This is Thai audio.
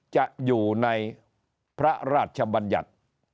จะอยู่ในพระราชบัญญัติ